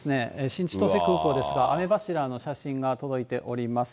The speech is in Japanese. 新千歳空港ですが、雨柱の写真が届いております。